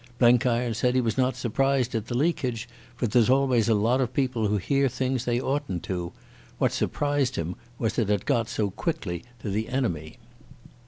Blenkiron said he was not surprised at the leakage, for there's always a lot of people who hear things they oughtn't to. What surprised him was that it got so quickly to the enemy.